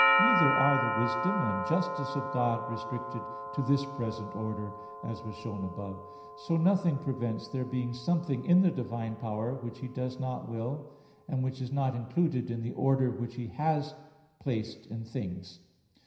3), neither are the wisdom and justice of God restricted to this present order, as was shown above; so nothing prevents there being something in the divine power which He does not will, and which is not included in the order which He has place in things.